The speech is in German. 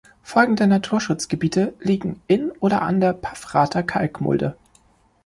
Folgende Naturschutzgebiete liegen in oder an der Paffrather Kalkmulde.